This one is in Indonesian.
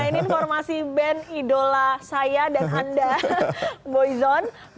nah ini informasi band idola saya dan anda boyzone